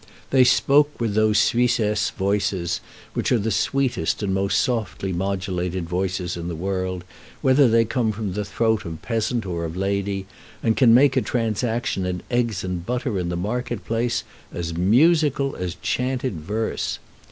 They spoke with those Suissesse voices, which are the sweetest and most softly modulated voices in the world, whether they come from the throat of peasant or of lady, and can make a transaction in eggs and butter in the market place as musical as chanted verse.